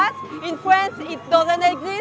di perancis itu tidak ada